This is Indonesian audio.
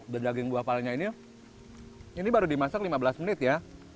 dan daging buah palanya ini baru dimasak lima belas menit ya